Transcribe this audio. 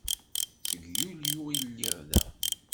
Seg Yulyu i lliɣ da.